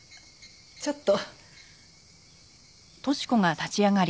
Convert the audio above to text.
ちょっと。